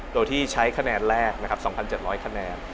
โดยที่ใช้คะแนนแรก๒๗๐๐คะแนน